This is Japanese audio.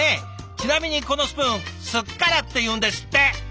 ちなみにこのスプーンスッカラっていうんですって。